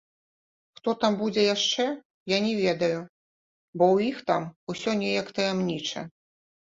Хто там будзе яшчэ, я не ведаю, бо ў іх там усё неяк таямніча.